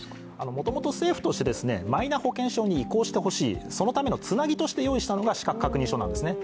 もともと政府としてマイナ保険証に移行してほしい、そのためのつなぎとして用意したのが資格確認書なんですね。